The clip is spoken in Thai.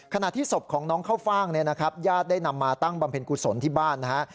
ขณะที่ศพของน้องเข้าฟ่างเนี่ยนะครับญาติได้นำมาตั้งบำเพ็ญกุศลที่บ้านนะฮะ